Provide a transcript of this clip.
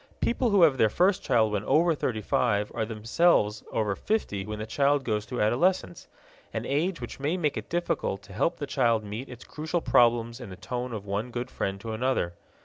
People who have their first child when over thirty five are themselves over fifty when the child goes through adolescence an age which may make it difficult to help the child meet its crucial problems in the tone of one good friend to another.